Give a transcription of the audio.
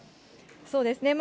そうですね。